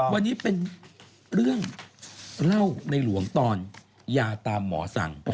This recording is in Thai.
วันนี้เป็นเรื่องเล่าในหลวงตอนยาตามหมอสั่ง